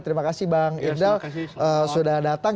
terima kasih bang ifdal sudah datang